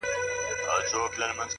هغه له قبره اوس زما خواته ناره نه کوي’